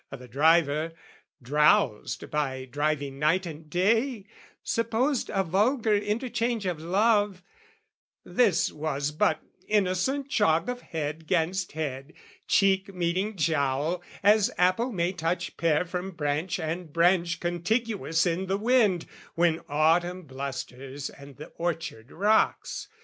O' the driver, drowsed by driving night and day, Supposed a vulgar interchange of love, This was but innocent jog of head 'gainst head, Cheek meeting jowl as apple may touch pear From branch and branch contiguous in the wind, When Autumn blusters and the orchard rocks.